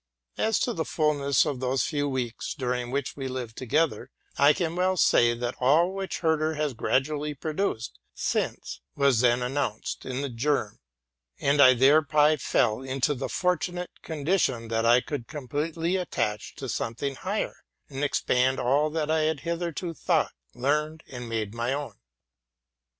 As to the fulness of those few weeks dur ing which we lived together, I can well say, that all which Herder has gradually "produced since was then announced in the germ, and that I thereby fell into the fortunate condition that I could completely attach to something higher, and expand aul that I had hitherto thought, learned, and made my own.